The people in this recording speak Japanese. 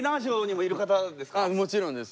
もちろんです。